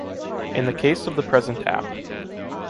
In the case of the present Ap.